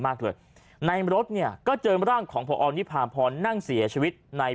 มากเลยในรถเนี่ยก็เจอร่างของพอนิพาพรนั่งเสียชีวิตใน